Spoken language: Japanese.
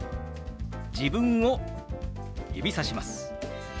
自分を指さします。